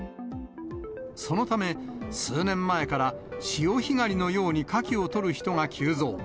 そのため、数年前から潮干狩りのようにカキを取る人が急増。